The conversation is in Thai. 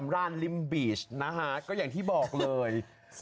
สรรานลิ้มบีตช์อย่างที่บอกเลย